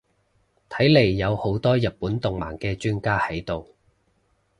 睇嚟有好多日本動漫嘅專家喺度